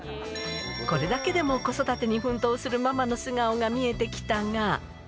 これだけでも子育てに奮闘するママの素顔が見えてきたが。